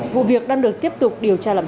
vụ việc đang được tiếp tục điều tra làm rõ